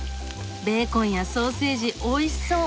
ベーコンやソーセージおいしそう！